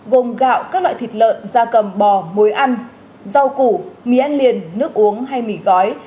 gồm gạo các loại thịt lợn da cầm bò muối ăn rau củ mì ăn liền nước uống hay mỉ gói